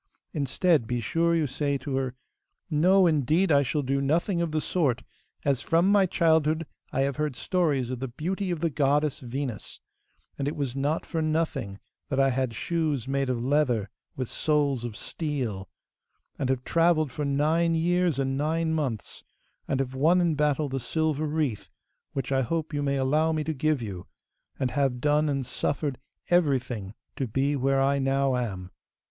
Instead, be sure you say to her, "No, indeed I shall do nothing of the sort, as from my childhood I have heard stories of the beauty of the goddess Venus, and it was not for nothing that I had shoes made of leather with soles of steel, and have travelled for nine years and nine months, and have won in battle the silver wreath, which I hope you may allow me to give you, and have done and suffered everything to be where I now am."